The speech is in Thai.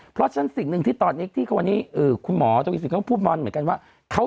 เพราะฉันสิ่งหนึ่งที่ตอนนี้ที่คุณหมอพูดหมอนเหมือนกันว่าเขา